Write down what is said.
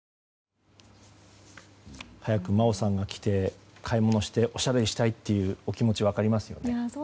早く真央さんが来て買い物しておしゃべりしたいというお気持ち分かりますね。